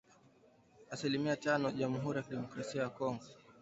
asilimia tano Jamhuri ya Kidemokrasia ya Kongo